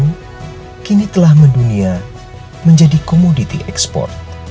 yang kini telah mendunia menjadi komoditi ekspor